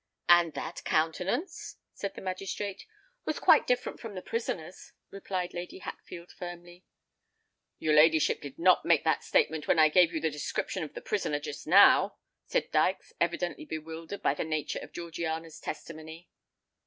"And that countenance?" said the magistrate. "Was quite different from the prisoner's," replied Lady Hatfield firmly. "Your ladyship did not make that statement when I gave you the description of the prisoner just now," said Dykes, evidently bewildered by the nature of Georgiana's testimony.